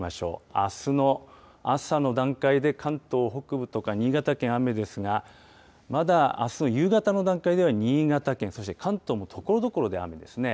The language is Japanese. あすの朝の段階で、関東北部とか新潟県、雨ですが、まだあすの夕方の段階では、新潟県、そして関東もところどころで雨ですね。